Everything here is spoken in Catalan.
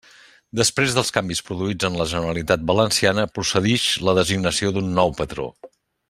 Després dels canvis produïts en la Generalitat Valenciana, procedix la designació d'un nou patró.